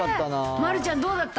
丸ちゃん、どうだった？